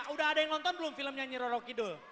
udah ada yang nonton belum film nyanyi roro kidul